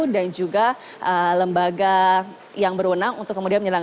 dan juga lembaga yang berwenang untuk kemudian menyelesaikan